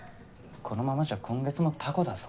このままじゃ今月もタコだぞ。